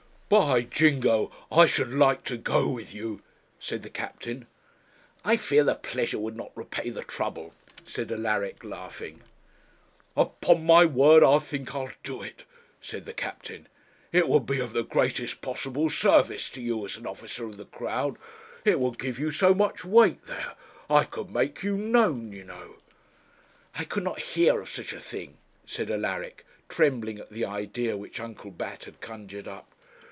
'By jingo! I should like to go with you,' said the captain. 'I fear the pleasure would not repay the trouble,' said Alaric, laughing. 'Upon my word I think I'll do it,' said the captain. 'It would be of the greatest possible service to you as an officer of the Crown. It would give you so much weight there. I could make you known, you know ' 'I could not hear of such a thing,' said Alaric, trembling at the idea which Uncle Bat had conjured up.